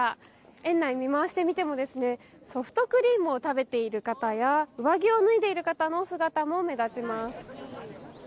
園内見回してみてもソフトクリームを食べている方や上着を脱いでいる方の姿も目立ちます。